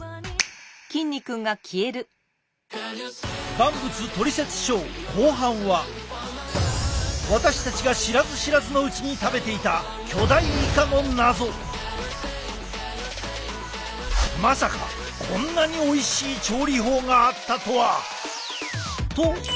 「万物トリセツショー」後半は私たちが知らず知らずのうちに食べていたまさかこんなにおいしい調理法があったとは！